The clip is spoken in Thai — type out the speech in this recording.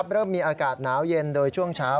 เริ่มมีอากาศหนาวเย็นโดยช่วงเช้า